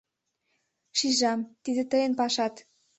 Шижам, тиде тыйын пашат.